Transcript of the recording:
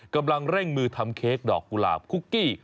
กำลังเร่งมือทำเค้กดอกกุหลาบคุกกี้